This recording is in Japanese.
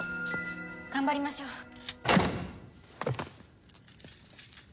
頑張りましょう。